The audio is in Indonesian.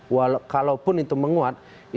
walaupun itu menguat